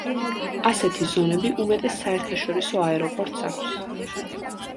ასეთი ზონები უმეტეს საერთაშორისო აეროპორტს აქვს.